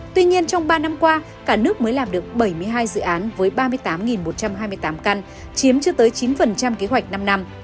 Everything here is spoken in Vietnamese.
tuy nhiên trong ba năm qua cả nước mới làm được bảy mươi hai dự án với ba mươi tám một trăm hai mươi tám căn chiếm chưa tới chín kế hoạch năm năm